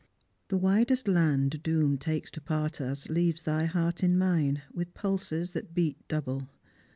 "The widest land Doom takes to part us, leaves thy heart in mine With pulses that beat double.